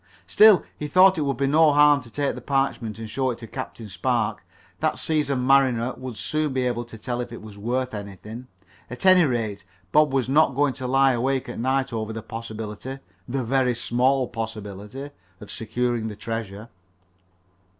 Still he thought it would be no harm to take the parchment and show it to Captain Spark. That seasoned mariner would soon be able to tell if it was worth anything. At any rate, Bob was not going to lie awake at night over the possibility the very small possibility of securing the treasure.